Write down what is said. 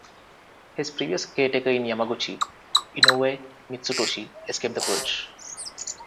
His previous caretaker in Yamaguchi, Inoue Mitsutoshi, escaped the purge.